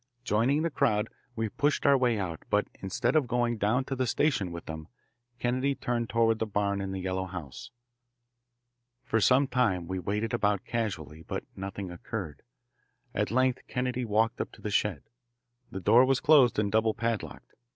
Joining the crowd, we pushed our way out, but instead of going down to the station with them, Kennedy turned toward the barn and the yellow house. For some time we waited about casually, but nothing occurred. At length Kennedy walked up to the shed. The door was closed and double padlocked.